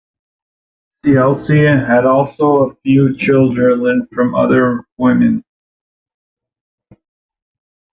Siaosi had also a few children from other women.